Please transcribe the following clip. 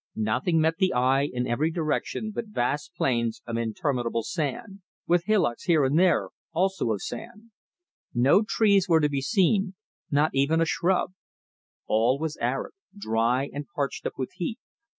Nothing met the eye in every direction but vast plains of interminable sand, with hillocks here and there, also of sand; no trees were to be seen, not even a shrub; all was arid, dry and parched up with heat.